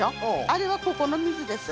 あれはここの水です。